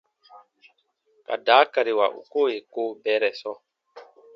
Ka daakariwa u koo yè ko bɛɛrɛ sɔɔ.